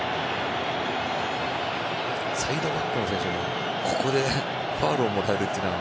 サイドバックの選手が、ここでファウルをもらうというのは。